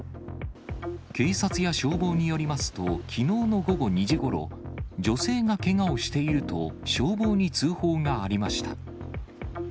警察や消防によりますと、きのうの午後２時ごろ、女性がけがをしていると消防に通報がありました。